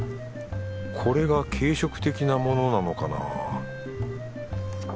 これが軽食的なものなのかな？